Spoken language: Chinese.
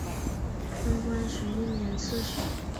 贞观十一年刺史。